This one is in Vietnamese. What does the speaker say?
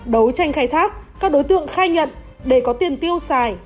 đấu tranh khai thác các đối tượng khai nhận để có tiền tiêu xài